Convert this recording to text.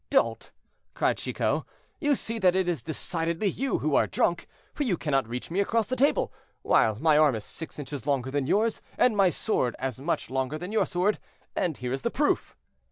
"Dolt!" cried Chicot, "you see that it is decidedly you who are drunk, for you cannot reach me across the table, while my arm is six inches longer than yours, and my sword as much longer than your sword; and here is the proof."